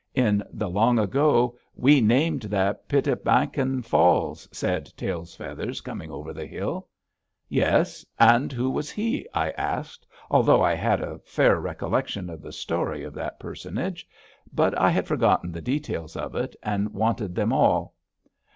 "In the long ago we named that Pi´tamakan Falls," said Tail Feathers Coming over the Hill. "Yes? And who was he?" I asked, although I had a fair recollection of the story of that personage. But I had forgotten the details of it, and wanted them all.